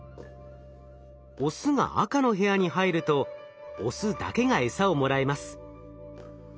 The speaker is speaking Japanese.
オスが赤の部屋に入るとオスだけがエサをもらえます。